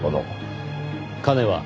金は？